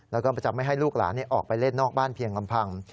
แล้วก็จะไม่ให้ลูกหลานออกไปเล่นนอกบ้านเพียงลำพัง